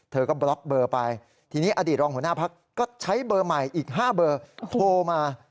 เธอก็บล็อกเบอร์ไปทีนี้อดีตรองหัวหน้าพักก็ใช้เบอร์ใหม่อีก๕เบอร์โทรมา